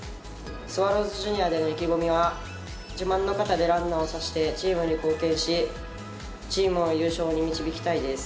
スワローズジュニアでの意気込みは自慢の肩でランナーを刺してチームに貢献しチームを優勝に導きたいです。